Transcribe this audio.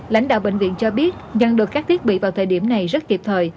lãnh đạo bệnh viện cho biết nhận được các thiết bị vào thời điểm này rất kịp thời